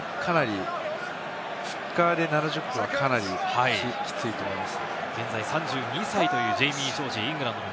フッカーで７０分はかなりきついと思います。